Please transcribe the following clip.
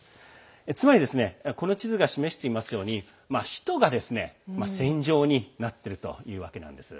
つまり、この地図が示していますように首都が戦場になっているというわけなんです。